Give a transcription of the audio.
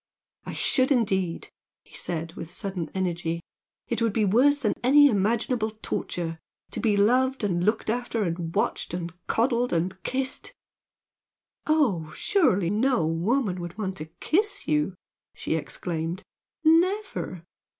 "I should, indeed!" he said, with sudden energy "It would be worse than any imaginable torture! to be 'loved' and looked after, and watched and coddled and kissed " "Oh, surely no woman would want to kiss you!" she exclaimed "Never!